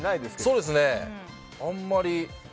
そうですね、あまり。